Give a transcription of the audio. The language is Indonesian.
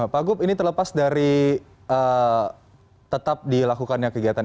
pak gup ini terlepas dari tetap dilakukannya kegiatan